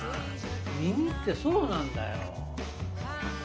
耳ってそうなんだよ。